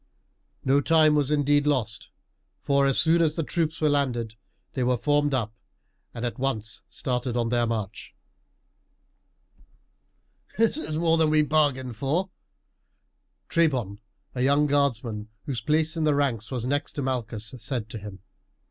No time was indeed lost, for as soon as the troops were landed they were formed up and at once started on their march. "This is more than we bargained for," Trebon, a young guardsman whose place in the ranks was next to Malchus, said to him.